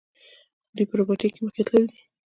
دوی په روباټیک کې مخکې تللي دي.